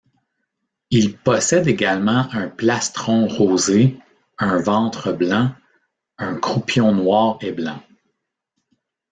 Il possède également un plastron rosé, un ventre blanc, un croupion noir et blanc.